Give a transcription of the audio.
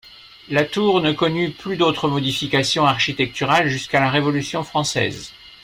La tour ne connut plus d'autre modification architecturale jusqu'à la Révolution française.